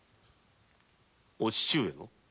お父上の？